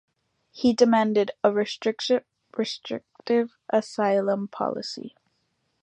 He demanded a restrictive asylum policy.